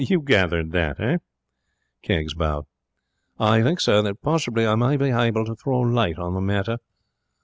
'You gathered that, eh?' Keggs bowed. 'I think, sir, that possibly I may be hable to throw light on the matter.'